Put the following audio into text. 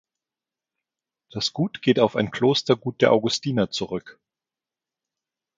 Das Gut geht auf ein Klostergut der Augustiner zurück.